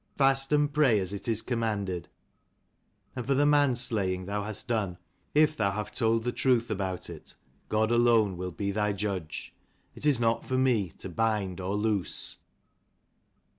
Fast and pray as it is commanded. And for the man slaying thou hast done, if thou have told the truth about it, God alone will be thy Judge. It is not for me to bind or loose."